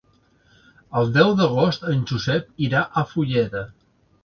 El deu d'agost en Josep irà a Fulleda.